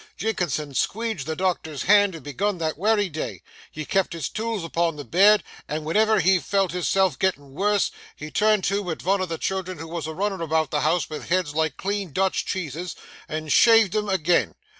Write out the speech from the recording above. Jinkinson squeedged the doctor's hand and begun that wery day; he kept his tools upon the bed, and wenever he felt his self gettin' worse, he turned to at vun o' the children who wos a runnin' about the house vith heads like clean Dutch cheeses, and shaved him agin.